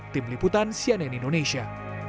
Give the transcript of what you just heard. tim liputan cnn indonesia